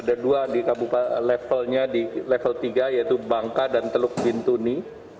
ada dua di levelnya di level tiga yaitu bangka dan teluk bintuni